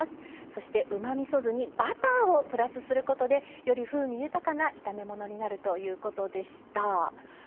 そして、うまみそ酢にバターをプラスすることでより風味豊かな炒め物になるということでした。